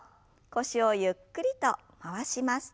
腰をゆっくりと回します。